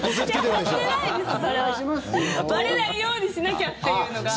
ばれないようにしなきゃっていうのが。